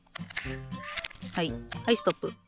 はいはいストップ。